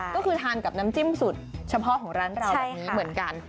ก็คือทานกับน้ำจิ้มสูตรเฉพาะของร้านเราแบบนี้เหมือนกัน